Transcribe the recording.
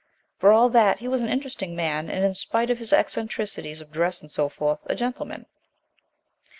For all that he was an interesting man, and, in spite of his eccentricities of dress and so forth, a gentleman.